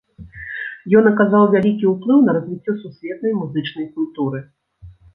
Ён аказаў вялікі ўплыў на развіццё сусветнай музычнай культуры.